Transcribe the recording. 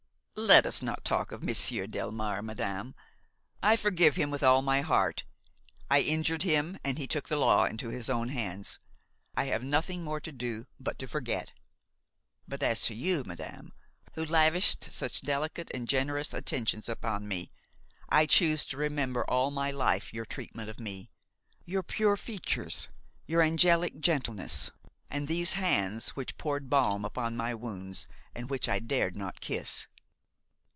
"Let us not talk of Monsieur Delmare, madame; I forgive him with all my heart. I injured him and he took the law into his own hands. I have nothing more to do but to forget; but as to you, madame, who lavished such delicate and generous attentions upon me, I choose to remember all my life your treatment of me, your pure features, your angelic gentleness, and these hands which poured balm upon my wounds and which I dared not kiss."